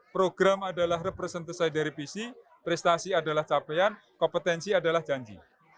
program adalah representasi dari visi prestasi adalah capaian kompetensi adalah janji